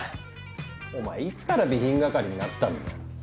お前いつから備品係になったんだよ。